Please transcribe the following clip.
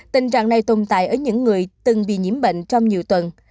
tình trạng này tồn tại ở những người từng bị nhiễm bệnh trong nhiều tuần